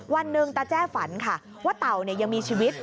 วันหนึ่งตาแจ้ฝันค่ะว่าเต่ายังมีชีวิต